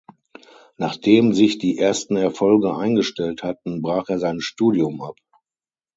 Nachdem sich die ersten Erfolge eingestellt hatten, brach er sein Studium ab.